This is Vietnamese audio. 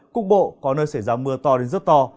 cục bộ có nơi xảy ra mưa to đến rất to